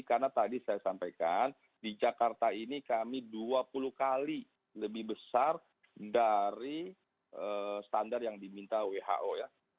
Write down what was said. karena tadi saya sampaikan di jakarta ini kami dua puluh kali lebih besar dari standar yang diminta who ya